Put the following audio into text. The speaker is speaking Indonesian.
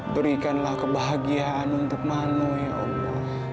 berikanlah kebahagiaan untuk manu ya allah